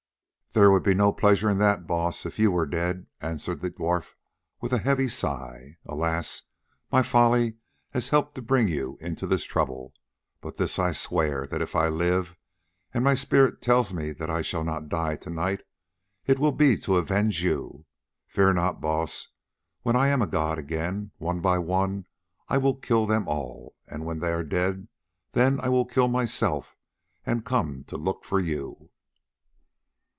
"There would be no pleasure in that, Baas, if you were dead," answered the dwarf with a heavy sigh. "Alas! my folly has helped to bring you into this trouble, but this I swear, that if I live—and my spirit tells me that I shall not die to night—it will be to avenge you. Fear not, Baas; when I am a god again, one by one I will kill them all, and when they are dead, then I will kill myself and come to look for you."